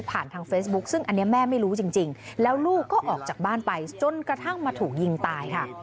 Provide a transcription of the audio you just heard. ทางเฟซบุ๊คซึ่งอันนี้แม่ไม่รู้จริงแล้วลูกก็ออกจากบ้านไปจนกระทั่งมาถูกยิงตายค่ะ